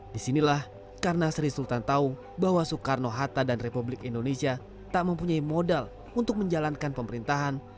disinilah karena sri sultan tahu bahwa soekarno hatta dan republik indonesia tak mempunyai modal untuk menjalankan pemerintahan